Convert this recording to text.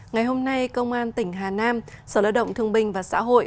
ngày hôm nay công an tỉnh hà nam sở lợi động thương bình và xã hội